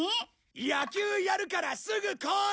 野球やるからすぐ来い！